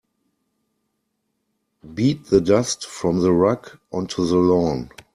Beat the dust from the rug onto the lawn.